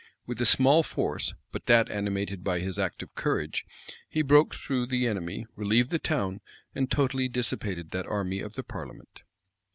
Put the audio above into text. [] With a small force, but that animated by his active courage, he broke through the enemy, relieved the town, and totally dissipated that army of the parliament.